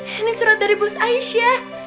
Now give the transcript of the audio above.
ini surat dari bus aisyah